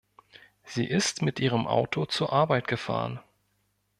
Sie ist mit ihrem Auto zur Arbeit gefahren.